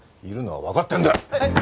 いるのはわかってんだ！